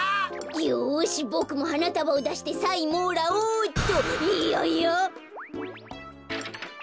よしボクもはなたばをだしてサインもらおうっと。ややっ！